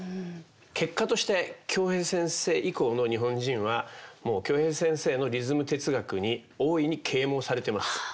結果として京平先生以降の日本人はもう京平先生のリズム哲学に大いに啓もうされてます。